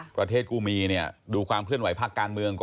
ประเทศกูมีดูความเคลื่อนไหวภาคการเมือง